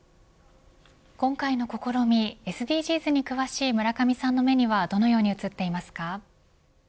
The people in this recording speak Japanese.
今回の試み、ＳＤＧｓに詳しい村上さんの目にはどのように映っていますか。